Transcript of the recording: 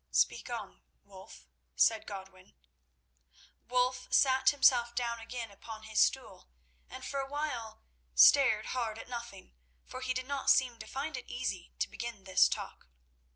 "Speak on, Wulf," said Godwin. Wulf sat himself down again upon his stool, and for a while stared hard at nothing, for he did not seem to find it easy to begin this talk.